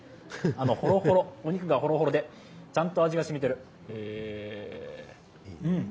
お肉がほろほろで、ちゃんと味がしみてる。